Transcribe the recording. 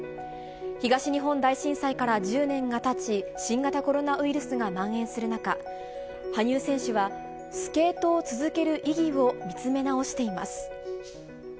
東日本大震災から１０年がたち、新型コロナウイルスがまん延する中、羽生選手はスケートを続ける意義を見つめ直しています。